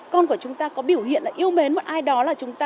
con của chúng ta có biểu hiện là yêu mến một ai đó là chúng ta